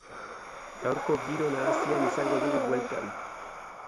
Gaurko giro nahasia izango dugu bueltan.